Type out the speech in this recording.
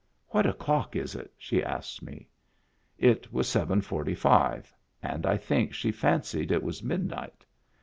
"What o'clock is it?" she asked me. It was seven forty five and I think she fancied it was midnight.